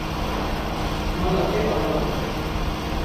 Mala te ava be.